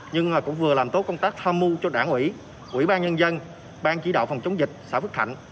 nhưng cũng vừa làm tốt công tác tham mưu cho đảng ủy ủy ban nhân dân bang chỉ đạo phòng chống dịch xã phước thạnh